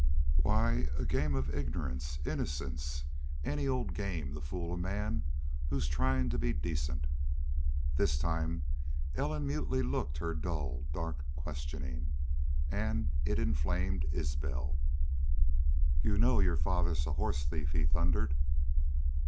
"Why, a a game of ignorance innocence any old game to fool a man who's tryin' to be decent." This time Ellen mutely looked her dull, blank questioning. And it inflamed Isbel. "You know your father's a horse thief!" he thundered.